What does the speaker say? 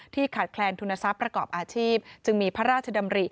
ขาดแคลนทุนทรัพย์ประกอบอาชีพจึงมีพระราชดำริ